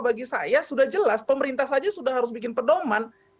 bagi saya sudah jelas pemerintah saja sudah harus bikin pedoman